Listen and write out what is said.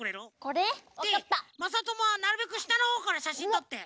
でまさともはなるべくしたのほうからしゃしんとって。